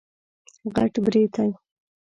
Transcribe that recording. غټ برېتی